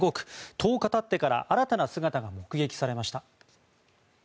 １０日経ってから新たな姿が目撃されました。